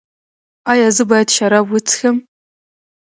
ایا زه باید شراب وڅښم؟